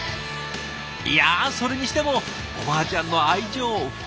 いやそれにしてもおばあちゃんの愛情深い！